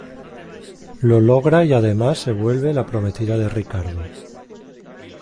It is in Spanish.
Lo logra y además se vuelve la prometida de Ricardo.